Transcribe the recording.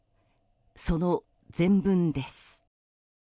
その全文です。